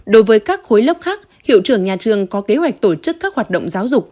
đối với các khối lớp khác hiệu trưởng nhà trường có kế hoạch tổ chức các hoạt động giáo dục